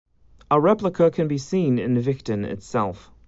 A replica can be seen in Vichten itself.